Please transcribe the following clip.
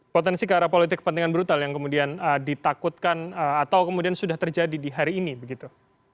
potensi ke arah politik kepentingan brutal yang kemudian ditakutkan atau kemudian sudah terjadi di hari ini begitu